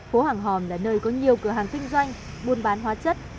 phố hàng hòn là nơi có nhiều cửa hàng kinh doanh buôn bán hóa chất